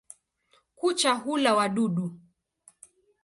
Kucha hula wadudu.